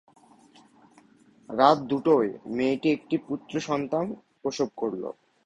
রাত দুটোয় মেয়েটি একটি পুত্রসস্তান প্রসব করল।